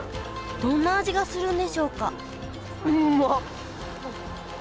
どんな味がするんでしょうか？